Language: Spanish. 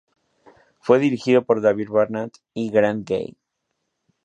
Fue dirigido por David Barnard y Grant Gee.